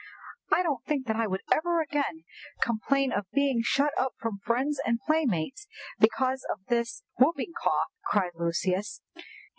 '" "I don't think that I will ever again complain of being shut up from friends and playmates because of this whooping cough," cried Lucius.